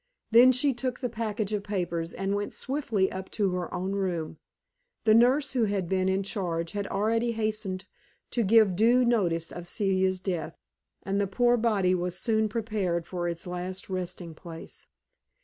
Then she took the package of papers and went swiftly up to her own room. The nurse who had been in charge had already hastened to give due notice of Celia's death, and the poor body was soon prepared for its last resting place.